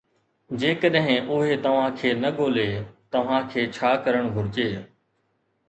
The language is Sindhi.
جيڪڏهن اهي توهان کي نه ڳولي، توهان کي ڇا ڪرڻ گهرجي؟